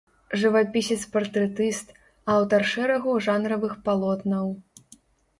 Жывапісец-партрэтыст, аўтар шэрагу жанравых палотнаў.